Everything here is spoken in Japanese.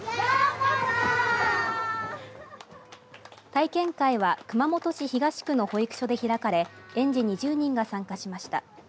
体験会は熊本市東区の保育所で開かれ園児２０人が参加しました。